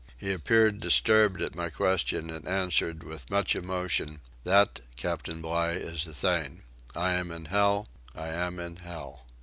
he appeared disturbed at my question and answered with much emotion: "That, captain Bligh, that is the thing; I am in hell, I am in hell."